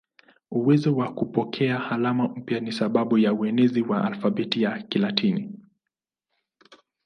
Uwezo wa kupokea alama mpya ni sababu ya uenezi wa alfabeti ya Kilatini.